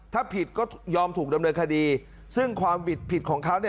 ถ้าผิดก็ยอมถูกดำเนินคดีซึ่งความผิดผิดของเขาเนี่ย